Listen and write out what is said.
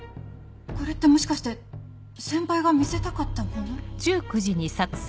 これってもしかして先輩が見せたかったもの？